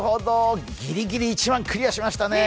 ギリギリ１万、クリアしましたね。